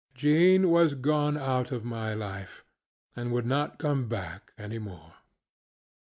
Jean was gone out of my life, and would not come back any more.